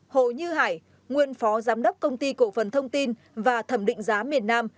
bốn hồ như hải nguyên phó giám đốc công ty cổ phần thông tin và thẩm định giá miền nam